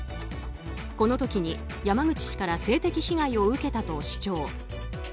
この時に、山口氏から性的被害を受けたと主張。